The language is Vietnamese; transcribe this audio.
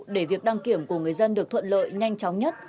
để việc đăng kiểm của người dân được thuận lợi nhanh chóng nhất